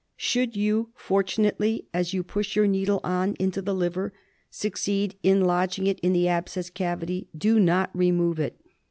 Should you fortunately, as you push your needle on into the liver, succeed in lodging it in the abscess cavity, do not remove it.